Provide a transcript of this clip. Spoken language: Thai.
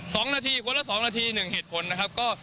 สองนาทีคนละสองนาทีหนึ่งเหตุผลนะครับก็